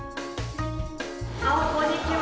・ああこんにちは。